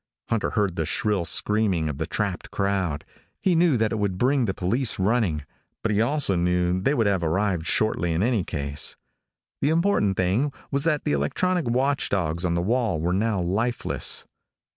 Hunter heard the shrill screaming of the trapped crowd. He knew that it would bring the police running, but he also knew they would have arrived shortly in any case. The important thing was that the electronic watchdogs on the wall were now lifeless.